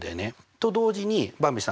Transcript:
と同時にばんびさん